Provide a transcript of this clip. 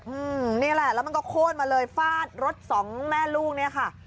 อืมนี่แหละแล้วมันก็โค้นมาเลยฟาดรถสองแม่ลูกเนี่ยค่ะ